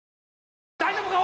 大丈夫か！？